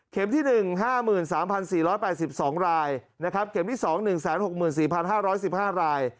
เข็มที่๑๕๓๔๘๒รายเข็มที่๒๑๖๔๕๑๕ราย